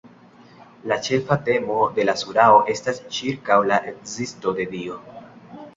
La ĉefa temo de la surao estas ĉirkaŭ la ekzisto de Dio.